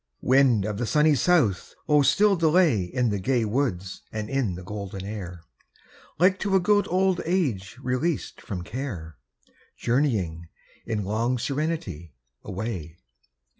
Wind of the sunny south! oh still delay In the gay woods and in the golden air, Like to a good old age released from care, Journeying, in long serenity, away.